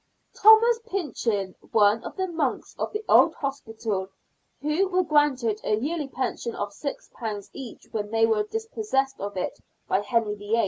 Thomas Pinchin, one of the monks of the old Hospital (who were granted a yearly pension of £6 each when they were dispossessed of it by Henry VIII.)